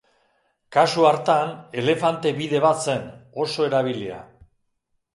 Kasu hartan, elefante-bide bat zen, oso erabilia.